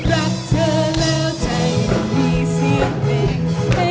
รักเธอแล้วใจก็มีเสียงเพลง